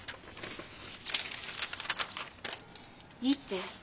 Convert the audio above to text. いいって。